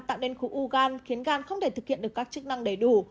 tạo nên khối u gan khiến gan không thể thực hiện được các chức năng đầy đủ